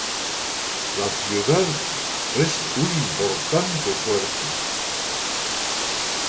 La ciudad es un importante puerto.